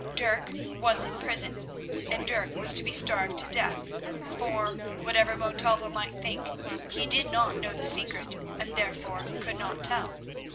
Dirk was in prison, and Dirk was to be starved to death, for, whatever Montalvo might think, he did not know the secret, and, therefore, could not tell it.